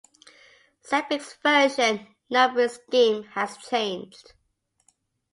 Zabbix version numbering scheme has changed.